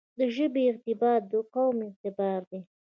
دژبې اعتبار دقوم اعتبار دی.